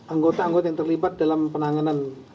anggota anggota yang terlibat dalam penanganan